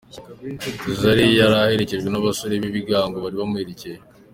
Zari yari aherekejwe n’abasore bibigango bari bamuherekeje.